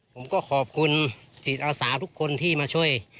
ผมก็ขอบคุณจิตอาสาทุกคนที่มาช่วย